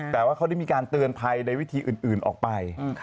แต่ว่าเขาได้มีการเตือนภัยในวิธีอื่นออกไป